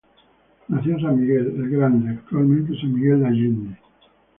Nació en San Miguel el Grande, actualmente San Miguel de Allende.